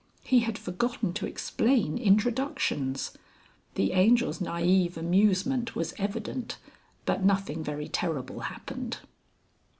He had forgotten to explain introductions. The Angel's naïve amusement was evident, but nothing very terrible happened.